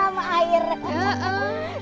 aduh aduh aduh aduh